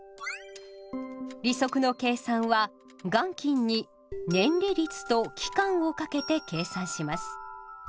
利息の計算は元金に「年利率」と「期間」をかけて計算します。